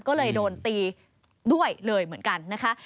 ก็เลยโดนตีด้วยเลยเหมือนกันนะคะ